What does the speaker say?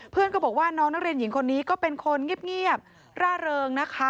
เพื่อนก็บอกว่าน้องนักเรียนหญิงคนนี้ก็เป็นคนเงียบร่าเริงนะคะ